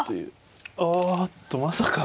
おっとまさか。